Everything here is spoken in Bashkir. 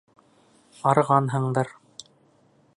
Арығанһыңдыр.